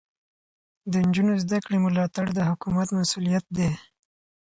د نجونو زده کړې ملاتړ د حکومت مسؤلیت دی.